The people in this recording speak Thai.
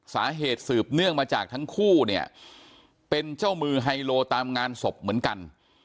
สืบเนื่องมาจากทั้งคู่เนี่ยเป็นเจ้ามือไฮโลตามงานศพเหมือนกัน